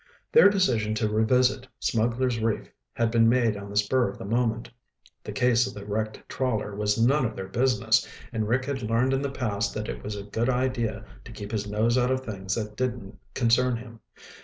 Their decision to revisit Smugglers' Reef had been made on the spur of the moment. The case of the wrecked trawler was none of their business, and Rick had learned in the past that it was a good idea to keep his nose out of things that didn't concern him.